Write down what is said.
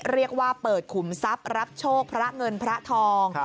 เรียกว่าเปิดขุมทรัพย์รับโชคพระเงินพระทอง